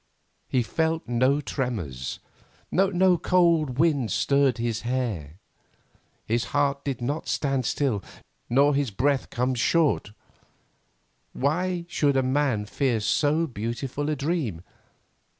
He felt no tremors, no cold wind stirred his hair; his heart did not stand still, nor his breath come short. Why should a man fear so beautiful a dream?